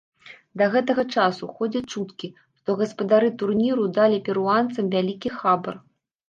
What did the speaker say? Да гэтага часу ходзяць чуткі, што гаспадары турніру далі перуанцам вялікі хабар.